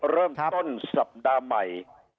เริ่มต้นสัปดาห์ใหม่